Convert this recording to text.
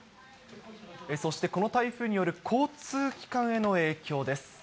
そしてこの台風による交通機関への影響です。